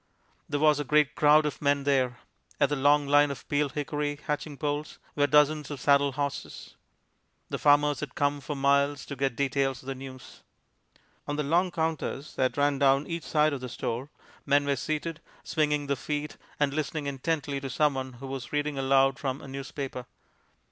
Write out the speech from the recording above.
There was a great crowd of men there. At the long line of peeled hickory hitching poles were dozens of saddle horses. The farmers had come for miles to get details of the news. On the long counters that ran down each side of the store men were seated, swinging their feet, and listening intently to some one who was reading aloud from a newspaper.